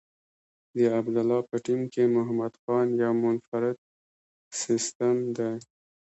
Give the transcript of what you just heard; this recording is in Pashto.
د عبدالله په ټیم کې محمد خان یو منفرد سیسټم دی.